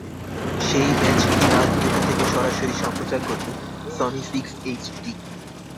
সেই ম্যাচটি রাত দুটো থেকে সরাসরি সম্প্রচার করবে সনি সিক্স এইচডি।